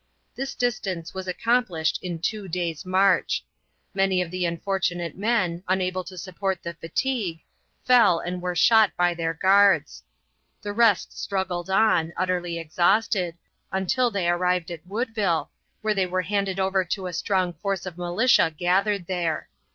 This distance was accomplished in two days' march. Many of the unfortunate men, unable to support the fatigue, fell and were shot by their guards; the rest struggled on, utterly exhausted, until they arrived at Woodville, where they were handed over to a strong force of militia gathered there.